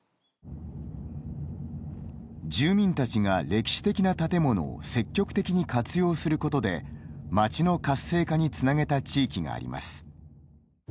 住民たちが歴史的な建物を積極的に活用することで街の活性化につなげた地域があります。